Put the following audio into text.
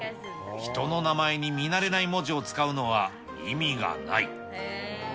人の名前に見慣れない文字を使うのは意味がない。